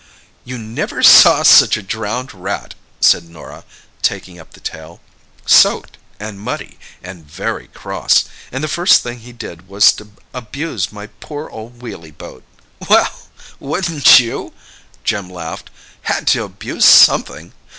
"You never saw such a drowned rat!" said Norah, taking up the tale. "Soaked—and muddy—and very cross! And the first thing he did was to abuse my poor old wheely boat!" "Well—wouldn't you?" Jim laughed. "Had to abuse something!